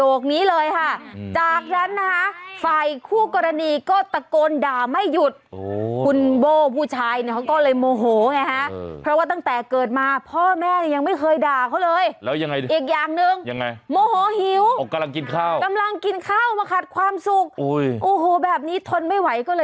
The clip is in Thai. โอ้โหแบบนี้ทนไม่ไหวก็เลยก่อเหตุไปดังกล่าวนั่นแหละค่ะ